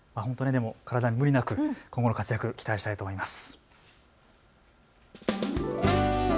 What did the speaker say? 体に無理なく、今後の活躍期待したいと思います。